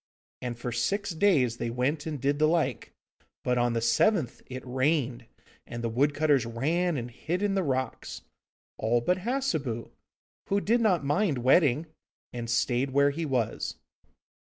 And for six days they went and did the like, but on the seventh it rained, and the wood cutters ran and hid in the rocks, all but Hassebu, who did not mind wetting, and stayed where he was.